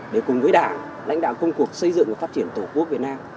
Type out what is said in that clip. để cùng với đảng lãnh đạo công cuộc xây dựng và phát triển tổ quốc việt nam